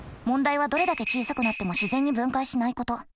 問題はどれだけ小さくなっても自然に分解しないこと。